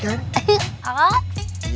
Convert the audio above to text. kalo gak mau ke colongan start lagi